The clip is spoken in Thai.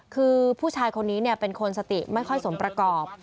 คือผู้ชายคนนี้เป็นคนสติไม่ค่อยสมประกอบ